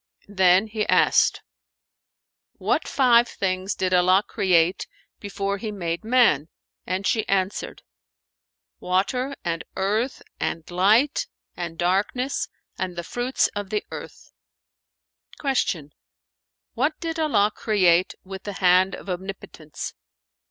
Then he asked, "What five things did Allah create before he made man?"; and she answered, "Water and earth and light and darkness and the fruits of the earth." Q "What did Allah create with the hand of omnipotence?"